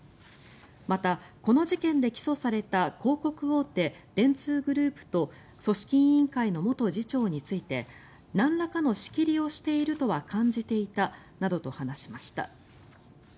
また、この事件で起訴された広告大手、電通グループと組織委員会の元次長についてなんらかの仕切りをしているとは感じていたなどと話しました。